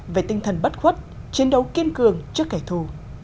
về tinh thần bất khuất chiến đấu kiên cường trước kẻ thù